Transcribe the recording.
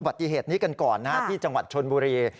ปฏิเหตุนี้กันก่อนที่จังหวัดชนบุรี